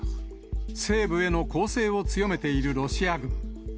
西部への攻勢を強めているロシア軍。